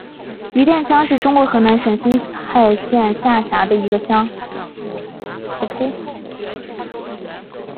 余店乡是中国河南省新蔡县下辖的一个乡。